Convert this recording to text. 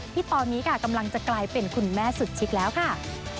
ที่ตอนนี้ค่ะกำลังจะกลายเป็นคุณแม่สุดชิคแล้วค่ะ